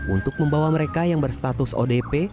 untuk membawa mereka yang berstatus odp